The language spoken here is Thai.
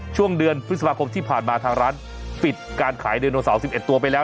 ช่วงเดือนพฤษภาคมที่ผ่านมาทางร้านปิดการขายไดโนเสาร์๑๑ตัวไปแล้ว